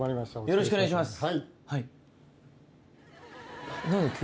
よろしくお願いします。